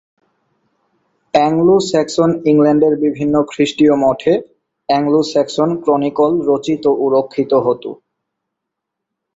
Anglo-Saxon ইংল্যান্ডের বিভিন্ন খ্রিস্টীয় মঠে "অ্যাংলো-স্যাক্সন ক্রনিকল" রচিত ও রক্ষিত হত।